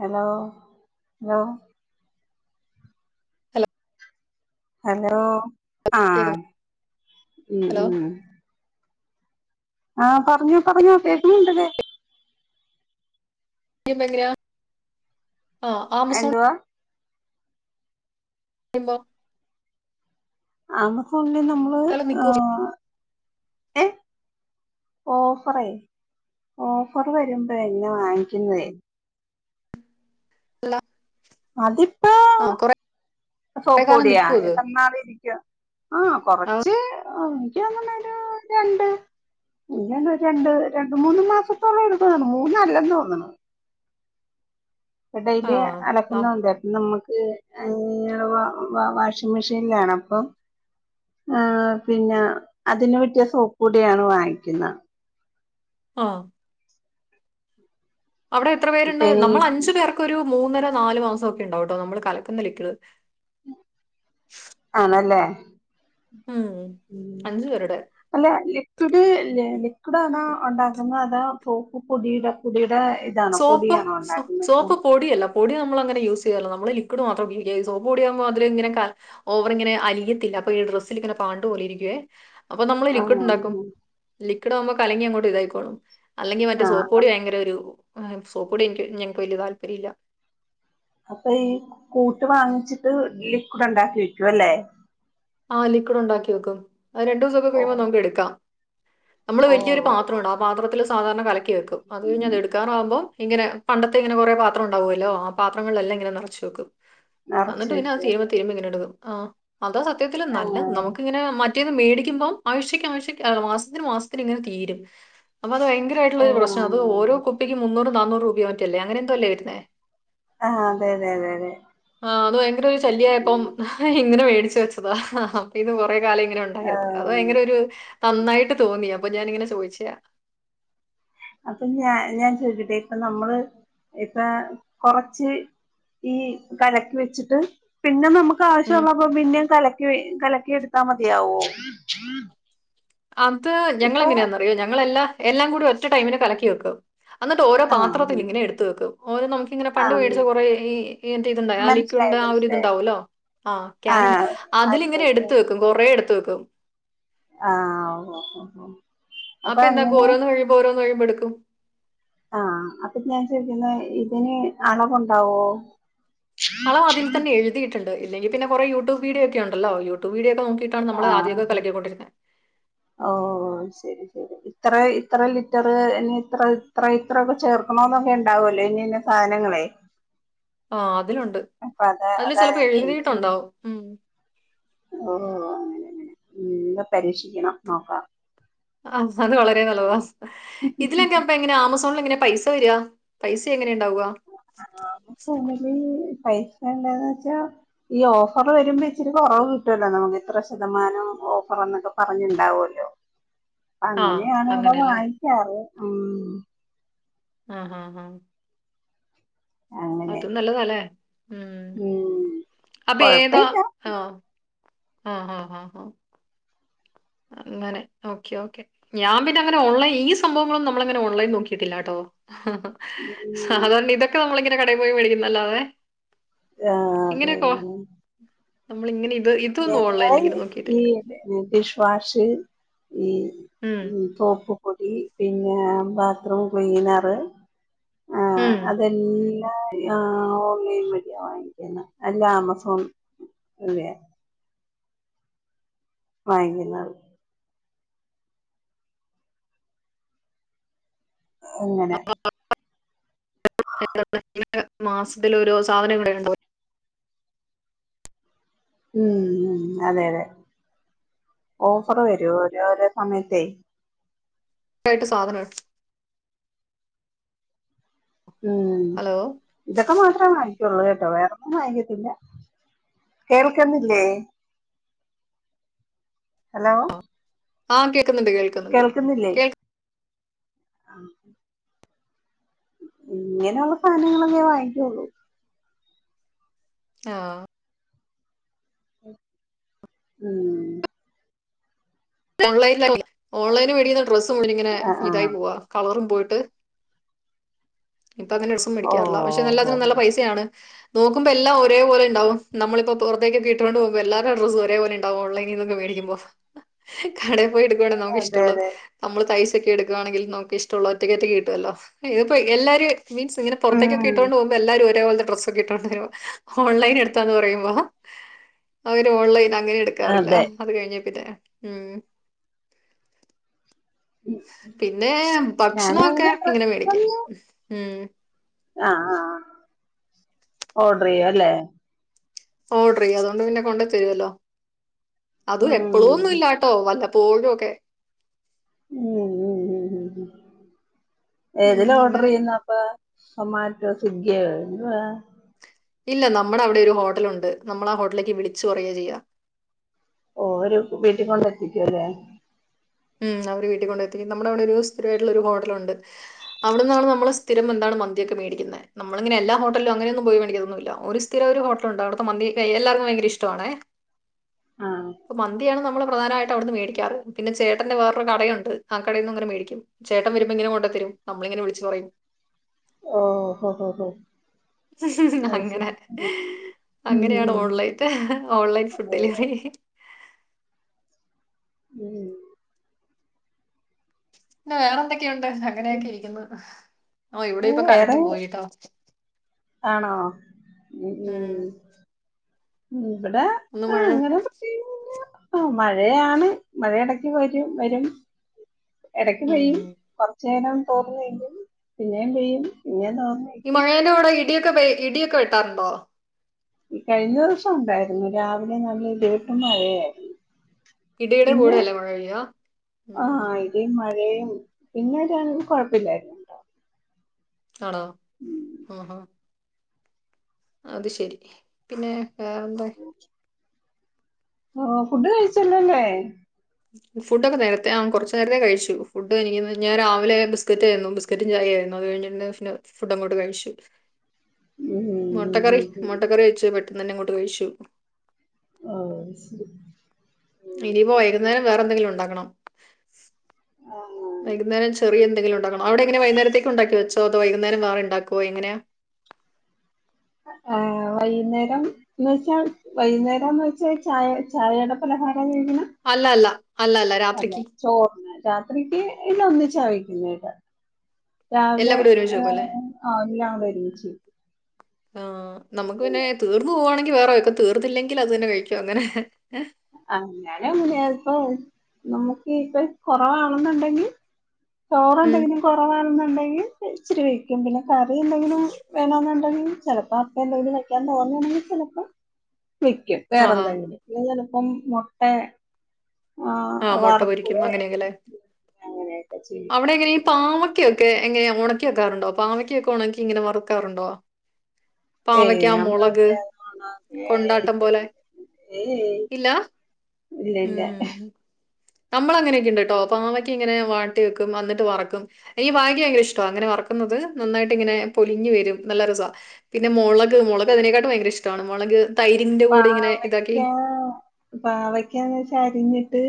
Hello hello hello hello ആഹ് കേക്കുന്നു ഉം ഹലോ ഉം ആഹ് പറഞ്ഞോ പറഞ്ഞോ കേക്കുന്നുണ്ട് വ്വേ [unintelligible] ആഹ് ആമസോൺ എന്തുവാ [unintelligible] ആമസോണിൽന്ന് നമ്മു [unintelligible] ഓഫറെ ഓഫർ വരുമ്പോഴെ എന്ന് വാങ്ങിക്കുന്നതേ. [unintelligible] അതിപ്പ ആ കൊറേ സോപ്പ് കാലം പൊടിയാ നിക്കുവോ ഇത് എത്ര നാള് ഇരിക്കു ആഹ് ആ കൊറച്ച് തോന്നണ് ഒരു [inaudible] രണ്ട് ഇങ്ങൻ രണ്ട് രണ്ട് മൂന്ന് മാസത്തോളം എടുത്തണ് മൂന്നല്ല തോന്നണ് ആ ഡെലി ന- അലക്കുന്നണ്ട് പ്പം നമുക്ക് [unintelligible] വാഷിംഗ് മെഷീനിലാണ് അപ്പം. ആഹ് പിന്ന അതിന് പറ്റിയ സോപ്പ് പൊടിയാണ് വാങ്ങിക്കുന്ന ആഹ് അവിടെ എത്ര പേരുണ്ട് ഇപ്പനി നമ്മൾ അഞ്ചു പേർക്ക് ഒരു മൂന്നര നാല് മാസം ഒക്കെ ഉണ്ടാവും ട്ടോ നമ്മള് കലക്കുന്ന ലിക്കിട്. ആണല്ലേ ഉം ഉം അഞ്ചു പേരുടെ അല്ല ലിക്വിഡ് ലിക്വിഡ് ആണാ ഉണ്ടാക്കുന്നത് അതാ സോപ്പ് പൊടിടാ [unintelligible] സോപ്പ് സോ സോപ്പ് പൊടിയല്ല. പൊടി നമ്മളങ്ങനെ യൂസ് ചെയാറില്ല നമ്മള് ലിക്വിഡ് മാത്രം സോപ്പ് പൊടിയാകുമ്പോ അതില് ഇങ്ങനെ ഓവർ ഇങ്ങനെ അലിയത്തില്ല അപ്പൊ ഈ ഡ്രസ്സിൽ ഇങ്ങനെ പാണ്ട്പോലെ ഇരിക്കുവേ. അപ്പൊ നമ്മള് ലിക്വിഡ് ആഹ് ഉണ്ടാക്കും ലിക്വിഡ് ആകുമ്പോ കലങ്ങി അങ്ങോട്ട് ഇതായിക്കോളും അല്ലെങ്കിൽ മറ്റേ സോപ്പ് ആഹ് പൊടി ഭയങ്കര ഒരു സോപ്പ് പൊടി എനിക്ക് ഞങ്ങക്ക് വലിയ താല്പര്യം ഇില്ല അപ്പൊ ഈ കൂട്ട് വാങ്ങിച്ചിട്ട് ലിക്വിഡ് ഉണ്ടാക്കി വെക്കും അല്ലേ ആഹ് ലിക്കുഡ് ഉണ്ടാക്കി വെക്കും രണ്ടു ദിവസൊക്കെ കഴിയുമ്പോ ഓഹ് നമുക്ക് എടുക്കാം നമ്മള് വലിയൊരു ഓഹ് പാത്രംണ്ട് ആ പാത്രത്തില് സാധാരണ കല കേക്കും അത്ഴിഞ്ഞ് അത് എടുകാറാകുമ്പോ ഇങ്ങനെ പണ്ടത്തെ ഇങ്ങനെ കുറെ പാത്രം ഉണ്ടാവുമല്ലോ ആഹ് പാത്രങ്ങളെല്ലാം ഇങ്ങനെ നിറച്ച് വെക്കും നറച്ച് എന്നിട്ട് പിന്നെ അത് തരും വെക്കുവല്ലേ രു ഇങ്ങനെടുക്കും ആഹ് അത സത്യത്തിൽ നല്ലത് ആഹ് നമുക്ക ഇങ്ങനെ മാ റ്റേന്ന് മേടിക്കുമ്പോം ആഴ്ചയ്ക്ക് ആഴ്ച ആഹ് മാസത്തിന് മാസത്തിന് ഇങ്ങനെ തീരും അപ്പൊ അത് ഭയങ്കരായിട്ടുള്ളൊരു പ്രശ്നാ അത് ഓരോ ആഹ് കുട്ടിക്കും മുന്നൂറ് നാന്നൂറ് രൂപയോ മറ്റല്ലേ അങ്ങനെ എന്തോ അല്ലേ വരുന്നേ ആഹ് അതെതെ അതെ അതെ ആഹ് അത് ഭയങ്കര ഒരു ശല്യായപ്പം ഇങ്ങനെ മേടിച്ച് വെച്ചതാ അപ്പൊ ഇത് കൊറെ കാലം ഇങ്ങനെണ്ട് ണ്ടായിരുന്നു അത് ആഹ് ഭയങ്കര ഒരു നന്നായിട്ട് തോന്നി അപ്പൊ ഞാനിങ്ങനെ ചോദിച്ചയാ അപ്പൊ ഞാ ഞാൻ ചോദിക്കട്ടെ ഇപ്പൊ നമ്മള് ഇപ്പൊ കൊറച്ച് ഈ കലക്കി വെച്ചിട്ട് പിന്നെ നമു ഉം വശ്യള്ളപ്പ പിന്നേം കലക്കി കലക്കിയെടുത്ത മതിയാവോ അത് ഞങ്ങൾ ഇപ്പൊ എങ്ങനെയാന്നറിയോ ഞങ്ങെല്ലാ എല്ലാം കൂടി ഒ ടൈമന് കലക്കി വെക്കും എന്നിട്ട് ഓരോ ആഹ് പാത്രത്തിൽ ഇങ്ങനെ എടുത്ത് വെക്കും ഓ നമുക്കിങ്ങനെ പണ്ട് ആഹ് മേടിച്ച കൊറെ ഈ മറ്റേ ഇത്ണ്ട ആഹ് മനസ്സിലായി ലിക്കുടിൻ്റെ ആഹ് ഒരു മനസ്സിലായി ഇത്ണ്ടാവല്ലോ ആഹ് ക്യാനുണ്ട് ആഹ് അതെ അതിലിങ്ങനെ അതെ എടുത്ത വെക്കും കൊറെ എടുത്ത് വെക്കും ആഹ് ഒ ഒ ഒ അപ്പ എന്താക്ക ഓരോന്ന് കഴിയ്പോ ഓരോന്ന് കഴുമ്പോ എടുക്കും ആഹ് അപ്പൊ ഞാൻ ചോദിക്കുന്ന ഇതിന് അളവുണ്ടാവോ അളവ് അതിൽ തന്നെ എഴുതിട്ടുണ്ട് ഇല്ലെങ്കി പിന്നെ കൊറേ യൂട്യൂബ് വീഡിയോ ഒക്കെ ഉണ്ടല്ലോ യൂട്യൂബ് വീഡിയോ ഒക്കെ നോക്കീട്ട് ആഹ് ഓ ഉം. ശരി ശരി ഇത്ര ഇത്ര ലിറ്ററ് ഇ ഇത്ര ഇത്ര ഇത്രൊക്കെ ചേർക്കണോന്നൊക്കെ ണ്ടാവുല്ലേ ഇനിന്ന സാനങ്ങളെ ആഹ് അതിലുണ്ട് അത അതില് അതാ ചിലപ്പോ ഞാൻ ചോയിച്ചത് എഴുതിയിട്ടുണ്ടാവും ഉം. ഓ അങ്ങനെ അങ്ങനെ എല്ല പരീക്ഷിക്കണം നോക്കാം ആഹ് അത് വളരെ നല്ലതാ ഇതിലെക്കെ പ്പ എങ്ങനെ ആമസോണിൽ എങ്ങനെ പൈസ വരിക പൈസ എങ്ങനെ ഉണ്ടാവുക ഫോണില് പൈസ ഉണ്ടോന്ന് വെച്ചാ ഈ ഓഫർ വരുമ്പോ ഇച്ചിരി കൊറവ് കിട്ടുവല്ലോ നമുക്ക് ഇത്ര ശതമാനം ഓഫർ എന്നൊക്കെ പറഞ്ഞുണ്ടാവോല്ലോ [inaudible] ആ അങ്ങനെയാണ് ഇവിടെ അങ്ങനെയല്ലേ വാങ്ങിക്കാറ് ഉം ആഹ് ആഹ് ആഹ് അങ്ങനെ അതും നല്ലതാല്ലേ ഉം ഭേദ കൊഴപ്പയില്ല ഹ ഹ ഹ ഹ ഹ അങ്ങനെ ഓക്കെ ഓക്കെ ഞാൻ പിന്നെ അങ്ങനെ ഉള്ള ഈ സംഭവങ്ങളൊന്നും നമ്മളങ്ങനെ ഓൺലൈൻ നോക്കിട്ടില്ലാട്ടോ, ഹ് ഹ് ഉം സാധരണ ഇതൊക്കെ ഓൺലൈ കടയിൽ പോയി മേടിക്കുന്നതല്ലാതെ ആഹ് ഇങ്ങനെയൊക്കവാ അതെ നമ്മളിങ്ങനെ ഇത് ഇതൊന്നും ഓൺലൈനിൽ ഞങ്ങള് ഇങ്ങനെ ഈ നോക്കിയിട്ടില്ല ഡിഷ് വാഷ് ഈ ഉം തോപ്പ് [unintelligible] പിന്ന ബാത്ത് റൂം ക്ലീനർ ഉം അതെല്ലാം ഓൺലൈൻ വഴിയ വാങ്ങിക്കന്നെ അല്ലെ ആമസോൺ അതേ വാങ്ങിക്കുന്നത് അങ്ങനെ [unintelligible] മാസത്തിലൊരു സാധനം ഇവിടെണ്ടാവും ഉം ഉം അതെ അതെ ഓഫർ വരും ഓരോരോ സമയത്തെ ആയിട്ട് സാധനണ്ട് ഉം ഹലോ ഇതൊക്കെ മാത്രേ വാങ്ങിക്കുള്ളൂ കേട്ടോ, വേറൊന്നും വാങ്ങിക്കത്തില്ല. കേൾക്കുന്നില്ലേ ഹലോ ആഹ് കേക്കുന്നുണ്ട് കേൾക് കേൾക്കുന്നില്ലേ? [inaudible] ഇങ്ങനെയുള്ള സാധനങ്ങളൊക്കെ വാങ്ങിക്കുള്ളൂ ആഹ് ഉം ഓൺലൈന് [unintelligible] ഓൺലൈന് മേടിക്കുന്ന ഡ്രസ്സ് മുഴുവനിങ്ങനെ ആഹ് ഇതായി ആഹ് പോവാ കളറും പോയിട്ട് ഇപ്പൊ അങ്ങനെ ഡ്രെസ്സും ഓ മേടിക്കാറില്ല പക്ഷെ ഓ എല്ലാത്തിനും നല്ല പൈസയാണ് നോക്കുമ്പോ എല്ലാം ഒരേപലെ ഉണ്ടാവും നമ്മളിപ്പോ പുറത്തേക്കെക്കൊക്കെ ഇട്ടോണ്ട് പോകുമ്പോ എല്ലരുടെ ഡ്രസ് ഒരേപോലെണ്ടാവും ഓൺലൈനിൽ നിന്നൊക്കെ മേടിക്കുമ്പോ കടെ പോയിട്ട് എടുക്കുവാണേ നമുക്ക് അതെ ഇഷ്ടള്ളൂ അതെ നമ്മള് തയ്ച്ചൊക്കെ എടുക്കുകയാണെങ്കിൽ നമ്മക്ക് ഇഷ്ടോള്ളെ ഒറ്റക് ഒറ്റക് കിട്ടുവല്ലോ, ഇതിപ്പോ എല്ലാരും മീൻസ് ഇങ്ങനെ ഉം പുറത്തെക്കൊക്കെയിട്ടോണ്ട് പോകുമ്പോ എല്ലാരും ഒരേപോലത്തെ ഡ്രസ്സ് ക്കിട്ടോണ്ട് വരുമ്പോ ഓൺലൈൻ എടുത്താന്ന് പറയുമ്പോ അവര് ഓൺലൈൻ അങ്ങനെ എടുക്കു എടുക്കാറില്ല അതെ അത് കഴിഞ്ഞെപ്പിന്നെ ഉമ് പിന്നെ ഞാനും ഭക്ഷണൊക്കെ അങ്ങനെ ഇങ്ങനെ മേടികും ഡ്രസ്സൊന്നും ഉം ആഹ് ആഹ് ഓഡർ ചെയ്യും അല്ലേ? ഓഡർ ചെയ്യും അതുകൊണ്ട് പിന്നെ കൊണ്ടെതരുവല്ലോ അതും ഉം എപ്പളും ഒന്നും ഇല്ലാട്ടോ വല്ല പ്പോഴും ഒക്കെ ഉം ഉം ഉം ഉം ഏതില ഓർഡർ അങ്ങനെ ചെയ്യുന്ന അപ്പ സോമറ്റോയോ സ്വിഗ്ഗിയോ, എന്തുവാ? ഇല്ല നമ്മുടെ അവിടെ ഒരു ഹോട്ടലുണ്ട്, നമ്മൾ ആ ഹോട്ടലിലേക്ക് വിളിച്ച് പറയുകയാ ചെയ്യ. ഓരു വീട്ടിൽ കൊണ്ടെ എത്തിക്കുവല്ലേ ഉം അവര് വീട്ടിൽ കൊണ്ട് എത്തിക്കും. നമ്മുടെവിടെ ഒരു സ്ഥിരവായിട്ടുള്ള ഒരു ഹോട്ടലുണ്ട്. അവിടെന്നാണ് നമ്മള് സ്ഥിരം എന്താണ് മന്തിയൊക്കെ മേടിക്കുന്നെ നമ്മിങ്ങനെ എല്ലാ ഹോട്ടലിലും അങ്ങനൊയോന്നും പോയി മേടിക്കതൊന്നും ഇല്ല ഒരു സ് [unintelligible] ഒരു ഹോട്ടലുണ്ട് അവിടുത്തെ മന്തി എല്ലർക്കും ഭയങ്കര ഇഷ്ടമാണേ ആഹ് മന്തിയാണ് നമ്മള് പ്രധാനായിട്ട് അവിടുന്ന് മേടിക്കാറ് പിന്നെ ചേട്ടന്റെ വേറൊരു കടയുണ്ട് ആ കടേന്നും അങ്ങനെ മേടിക്കും ചേട്ടൻ വരുമ്പോയിങ്ങന കൊണ്ടെ തരും, നമ്മളിങ്ങനെ വിളിച്ചു പറയും. ഓഹ് ഹോ ഹോ ഹോ [unintelligible] അത് അങ്ങനെ ശരി ഉം അങ്ങനെയാണ് ഉം ഓൺലൈന്ട് ഓൺലൈൻ ഉം ഫുഡ് അതെ ഡെലിവറി മ് പിന്ന വേറെന്തൊക്കെയുണ്ട് ഉം അങ്ങനെയൊക്കെ ഇരിക്കുന്നു ഓ ഇവിടെ ഇപ്പൊ കരണ്ട് വേറെ പോയിട്ടോ ആണോ ഉം ഉം ഇവിടെ ഒന്ന് ആ മഴ അങ്ങനെ പ്രത്യേകിച്ച് ആ മഴയാണ് മഴയെടക്ക് വരും വരും. എടക്ക് ഉം പെയ്യും കൊർച്ചേരം തോർന്ന് നിക്കും പിന്നേം പെയ്യും പിന്നേം തോർന്ന്. ഈ മഴെന്റെ [unintelligible] ഇടിയൊക്കെ വെ ഇടിയൊക്കെ വെട്ടാറുണ്ടോ? ഈ കഴിഞ്ഞ ദിവസം ഉണ്ടായിരുന്നു രാവിലെ നല്ല ഇടി വെട്ട് മഴയായിരുന്നു ഇടിടെ പിന്നെ കൂടെയല്ലേ മഴ പെയ്യുക? ഇടിം മഴയും പിന്നൊരു [unintelligible] കുഴപ്പില്ലായിരുന്നു ആണോ ഓഹോ അത് ശരി. പിന്നെ വേറെ എന്താ? [inaudible] ഓഹ് ഫുഡ് കഴിച്ചല്ലോല്ലേ? ഫുഡോക്കെ നേരത്തെ ആഹ് കൊറച്ചു നേരത്തെ കഴിച്ചു ഫുഡ് എനിക്ക് ന്നു ഞാൻ രാവിലെ ബിസ്ക്കറ്റേര്ന്നു ബിസ് സ്ക്കറ്റും ചായെം ആയിരുന്നു അത് കഴിഞ്ഞിണ്ട് പിന്നെ ഫുഡ് അങ്ങോട്ട് കഴിച്ചു. ഉം ഉം. മൊട്ടക്കറി ഉം ഉം. മൊട്ടക്കറി വെച്ച് പെട്ടെന്നന്നെങ്ങോട്ട് കഴിച്ചു. ആ ശ ഇനിപ്പോ വൈകുന്നേരം വേറെ എന്തെങ്കിലും ഉണ്ടാക്കണം. ആ വൈകുന്നേരം ചെറിയ എന്തെങ്കിലും ഉണ്ടാക്കണ അവിടെ ങ്ങനാ വൈകുന്നേരത്തേക്ക്ണ്ടാക്കി വെച്ചോ അതോ വൈകുന്നരം വേറേ ഇണ്ടാക്കോ എങ്ങനാ? അ വൈന്നേരം ന്ന്ച്ചാൽ വൈന്നേ രാന്ന് വെച്ചാ ചായ ചായേട പലഹാരാ ചോദിക്കണെ. അല്ലല്ല അല്ല ല്ല രാത്രിക്ക്- ചോർ രാത്രിക്ക് ഇല്ല ഒന്നിച്ച കഴിക്കുന്നെക്ക. രാവിലെ എല്ലാം കൂടി ഒരുമിച്ച് വെക്കും അല്ലേ ഏഹ് ആവിലെ ആ വരൂച്ച്. ആഹ് നമ്മക്ക് പിന്നെ തീർന്നു പോവാണെങ്കി വേറെ വെക്കും തീർന്നില്ലെങ്കിൽ അത് തന്നെ കഴിക്കും അങ്ങനെ. അ ഞാനു അങ്ങനെയ പ്പൊ നമ്മുക്കി പ്പൊ കൊറവാണെന്നുണ്ടെങ്കി. ഉം ചോറെന്തെങ്കിലും കൊറവാണെന്നുണ്ടെങ്കിൽ വെയ് ഇച്ചിരി വയ്ക്കും പിന്നെ കറി എന്തെങ്കിലും വേണന്നുണ്ടെങ്കി. ചെലപ്പോ അപ്പൊ ന്തെങ്കിലും വെക്കാൻ തോന്നാണെങ്കി ചെലപ്പോ വെക്ക്യും വേറെ ആഹാ ന്തെങ്ങിലു [unintelligible] പ്പം മൊട്ടെ ആ ആഹ് മുട്ട വർ [unintelligible] പൊരിക്കും ലെ. അങ്ങനെയൊക്കെ അല്ലേ? അങ്ങനെയൊക്കെ ചെ അവിടെ എങ്ങനാ ഈ പാവക്ക്യൊക്കെ എങ്ങനെ ഒണക്കിവെക്കാറുണ്ടോ പാവക്കൊക്കെ ഒണക്കി ഇങ്ങനെ വറക്കാറുണ്ടോ? ഏയ്‌ ഞാൻ പാവക്ക [unintelligible] ഏയ്യ് കൊണ്ടാട്ടം ഇല്ലില്ല പോലെ ഇല്ല- ഏയ് ഏയ് ഇല്ല ഇല്ല ല്ല. നമ്മളങ്ങനെക്കെണ്ട്ട്ടോ പാവക്ക ഇങ്ങനെ വാട്ടി വെക്കും അന്നട്ട് വറക്കും. എനിക്ക് പാവയ്ക്ക ഭയങ്കര ഇഷ്ടവാ അങ്ങനെ വറക്കുന്നത് നന്നായിട്ട്ങ്ങനെ പൊലിഞ്ഞ് വരും നല്ലരസാ. പിന്നെ മൊളക് മൊളക് അതിനെക്കാട്ടും ഭയങ്കര ഇഷ്ടാണ് മൊളക് തൈരിന്റെ കൂടിങ്ങനെ ഇതാക്കി. പാവയ്ക്കാന്ന്ച്ചാ അരിഞ്ഞിട്ട്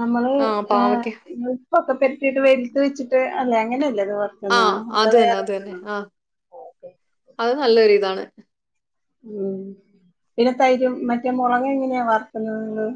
നമ്മള് ആ ഏഹ് പാവയ്ക്ക ഇ പ്പൊക്കെ പെര്ത്തിട്ട് വെയിലത്ത്‌ വെച്ചിട്ട് അല്ലേ അങ്ങനല്ലേ അത് വറ ആഹ് അത് തന്നെ അത് തന്നെ ആഹ് ഓക്കെ അത് നല്ലൊരു ഇതാണ് ഉം പിന്നെ തൈരും മറ്റേ മൊളക്‌ എങ്ങനെയാ വറക്ക്ന്നത് ഇങ്ങള്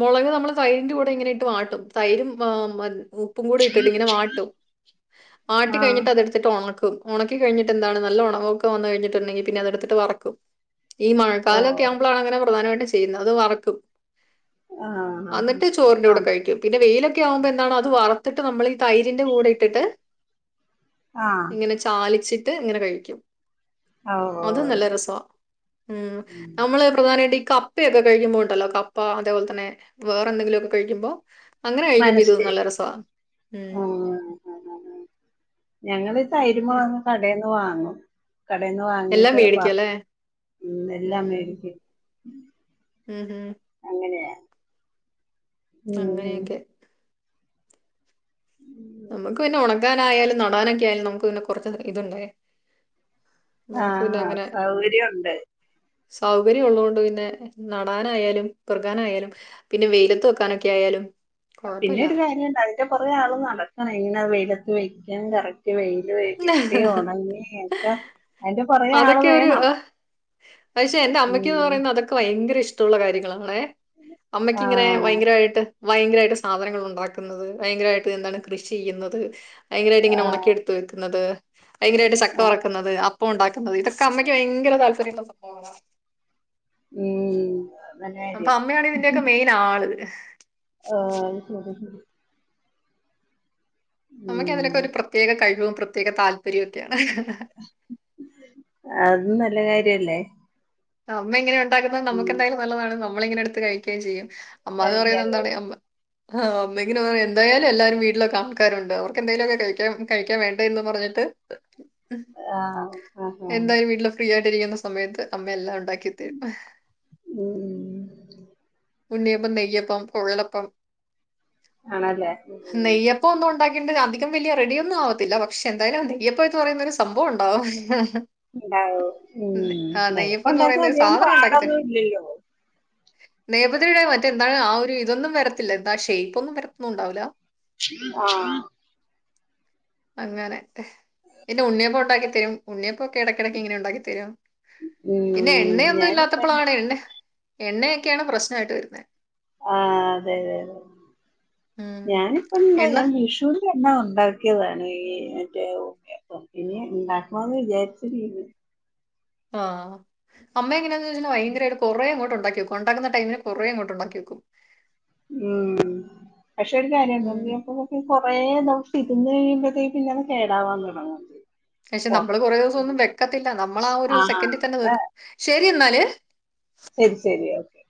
മൊളക് നമ്മള് തൈരിന്റെ കൂടെ ഇങ്ങനെ ഇട്ട് വാട്ടും തൈരും ആ മ ഉ ഉപ്പും കൂടി ഇട്ടിട്ട് ഇങ്ങനെ വാട്ടും വാട്ടി ആഹ് കഴിഞ്ഞിട്ട് അതെടു ത്തിട്ട് ഒണക്കും. ഒണക്കി കഴിഞ്ഞിട്ട് എന്താണ് നല്ല ഒണവൊക്കെ വന്ന് കഴിഞ്ഞ്ട്ട്ണ്ടെങ്കി പിന്നെ അതെടുത്ത്ട്ട് വറക്കും. ഈ മഴക്കാലൊക്കെ ഓഹ് ആവുമ്പോളാണ് അങ്ങനെ പ്രധാനമായിട്ട് ചെയ്യുന്നത് അത് വറക്കും ആഹ് അന്നിട്ട് ചോറിന്റെ ആഹ് കൂടെ കഴിക്കും പിന്നെ വെയിലൊക്കെ ആവുമ്പോ എന്താണ് അത് വറത്തിട്ട് നമ്മള് തൈരിന്റെ കൂടെ ഇട്ടിട്ട് ആഹ് ഇങ്ങനെ ചാലിച്ചിട്ട് ഇങ്ങനെ കഴിക്കും. ആഹ് അതും ഓഹ് നല്ല രസാ. ഉം നമ്മള് പ്രധാനായിട്ട് ഈ കപ്പയൊക്കെ കഴിക്കുമ്പോ ഒണ്ടല്ലോ കപ്പ അതേപോലെ തന്നെ വേറെ എന്തെങ്കിലൊക്കെ കഴിക്കുമ്പോ അങ്ങനെ കഴിക്കുമ്പോ ഇത് മനസ്സി നല്ല രസാ ഉം ആഹ് ഞങ്ങള് തൈരുമ്മോ കടേന്ന് വാങ്ങും കടേന്ന് എല്ലാം വാങ്ങിട്ട് മേടിക്കും അല്ലേ വർക്കും. ഉം എല്ലാം ഉം മേടിക്കും ഉം ഹും അങ്ങനയാ അങ്ങനെയൊക്കെ നമ്മക്ക് പിന്നെ ഉണക്കാനായാലും നടാനൊക്കെ ആയാലും നമുക്ക് പിന്നെ കൊറച്ച് ഇതുണ്ടേ നമ്ക്ക് പിന്നെ ആഹ് അങ്ങനെ സൗകര്യമുണ്ട് സൗകര്യം ഉള്ളോണ്ട് പിന്നെ നടാനായാലും പെറ്ക്കാനായാലും പിന്നെ വെയിലത്ത് വെക്കാനൊക്കെ ആയാലും, കുഴപ്പമില്ല പിന്നൊരു കാര്യംണ്ട് അതിന്റെ പൊറകെ ആള് നടക്കണം ഇങ്ങനെ വെയിലത്ത് വെക്കാൻ കറക് വെയില് വ് കിട്ടി ഒണങ്ങി ഒക്കെ അതിന്റെ പൊറകെ ആള് വേണം പക്ഷേ എന്റെ അമ്മയ്ക്ക് ഉം എന്ന് പറയുന്നത് അതൊക്കെ ഭയങ്കര ഇഷ്ടമുള്ള കാര്യങ്ങളാണല്ലെ അമ്മക്കിങ്ങനെ ആഹ് ഭയങ്കരമായിട്ട് ഭയങ്കരമായിട്ട് സാധനങ്ങൾ ഉണ്ടാക്കുന്നത്, ഭയങ്കരമായിട്ട് എന്താണ് കൃഷി ചെയ്യുന്നത്, ഭയങ്കരമായിട്ട് ഇങ്ങനെ ആഹ് ഉണക്കിയെടു ഒത്ത് വെക്കുന്നത്, ഭയങ്കരമായിട്ട് ചക്ക ആഹ് വറക്കുന്നത്, അപ്പം ഉണ്ടാക്കുന്നത്, ഇതൊക്കെ അമ്മയ്ക്ക് ഭയങ്കര താല്പര്യം ഉളള സം [unintelligible] ഉം നല്ല അപ്പൊ കാര്യം അമ്മയാണ് ഇതിന്റെയൊക്കെ മെയിൻ ആള്. ആ ശരി അമ്മയ്ക്ക് ഉം അതിനൊക്കെ ഒരു പ്രത്യേക കഴിവും പ്രത്യേക താല്പര്യവും ഒക്കെയാണ്. അതും നല്ല കാര്യമല്ലേ? അമ്മ ഇങ്ങനെ ഉണ്ടാക്കുന്നത് നമുക്ക് എ ന്തായാലും നല്ലതാണ് നമ്മളിങ്ങനെ എടുത്ത് കഴിക്കുകയും ചെയ്യും. അമ്മ എന്ന് പറയുന്നത് കഴിക്കല്ലേ എന്താണ് അമ്മ അമ്മ ഇങ്ങനെ പറയും എന്തായാലും എല്ലാവരും വീട്ടിലൊക്കെ ആൾക്കാരുണ്ട് അവർക്ക് എന്തെലും ഒക്കെ കഴിക്കാ കഴിക്കാൻ വേണ്ടേ എന്ന് പറഞ്ഞിട്ട് ആഹ് ആഹ് ആഹ് എന്തായാലും വീട്ടില് ഫ്രീയാ യിട്ടിരിക്കുന്ന സമയത്ത് അമ്മയെല്ലാം ഉണ്ടാക്കിത്തരും. ഉം ഉണ്ണിയപ്പം, നെയ്യപ്പം, കുഴലപ്പം ആണല്ലേ ഉം നെയ്യപ്പ ഇപ്പൊ ഒന്നും ഉണ്ടാക്കിയിട്ട് അധികം വലിയ റെഡിയൊന്നും ആവത്തില്ല പക്ഷെ എന്തായാലും നെയ്യപ്പം എന്ന് പറയുന്ന ഒരു സംഭവം ഉണ്ടാവും. ഉണ്ടാവും. ആഹ് ഉം നെയ്യപ്പം എന്ന് ഉണ്ടാക്കുമ്പോ പറയുന്ന ഒരു സാധനം അധികംപാടൊന്നും ഇല്ലല്ലോ? നെയ്യപ്പത്തിന്റെ മറ്റേ എന്താണ് ആ ഒരു ഇതൊന്നും വരത്തില്ല എന്താ ഷേപ്പ് ഒന്നും വരത്തൊന്നും ഉണ്ടാവില്ല. ആഹ് അങ്ങനെ പിന്നെ ഉണ്ണിയപ്പം ഉണ്ടാക്കിത്തരും. ഉണ്ണിയപ്പം ഒക്കെ ഇടക്കിടക്ക് ഇങ്ങനെ ഉണ്ടാക്കി തരും. പിന്നെ ഉം എണ്ണയൊന്നും ഞാനിപ്പ ഇല്ലാത്തപ്പോളാണ് എണ്ണ എണ്ണയൊക്കെയാണ് പ്രശ്നമായിട്ട് വരുന്നത്. ആഹ അതെതെതെ ഉം ഞാനിപ്പ ഉണ്ടാ എണ്ണ ഞാൻ വിഷുവി എന്നോ ഉണ്ടാക്കിയതാണ് ഈ മറ്റേ ഉണ്ണിയപ്പം. ഇനി ഉണ്ടാക്കണന്ന് വിചാരിച്ച തേയ്നി ആ അമ്മ എങ്ങനെയാന്ന് വെച്ചാൽ ഭയങ്കര ഒരു കുറെ അങ്ങോട്ട് ഉണ്ടാക്കി വെക്കും. ഉണ്ടാക്കുന്ന ടൈമില് കുറെ അങ്ങോട്ട് ഉണ്ടാക്കി വെയ്ക്കും. ഉം. പക്ഷെ ഒരു കാര്യം ഉം ഉണ്ണിയപ്പം കൊറേ ദിവസം ഇരുന്ന് കഴിയുമ്പഴത്തേക്ക് പിന്നെ അത് കേടാവാൻ തുടങ്ങും. പക്ഷെ പൊറ നമ്മള് കുറേ ദിവസം ഒന്നും വെക്കത്തില്ല. നമ്മള് ആ ഒരു ആഹ് സെക്കൻഡിൽ തന്നെ അതെ തീർക്കും. ശരി എന്നാല് ശരി ശരി ഓക്കെ.